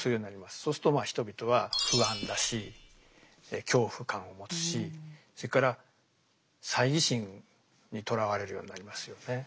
そうすると人々は不安だし恐怖感を持つしそれから猜疑心にとらわれるようになりますよね。